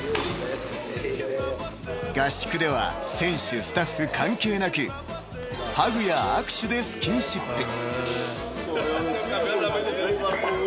［合宿では選手スタッフ関係なくハグや握手でスキンシップ］